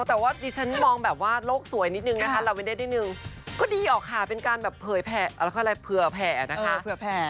แต่ว่าดิฉันมองแบบว่าโลกสวยนิดนึงนะคะเราไม่ได้นิดนึงก็ดีออกค่ะเป็นการแบบเผยแผ่เผื่อแผ่นะคะ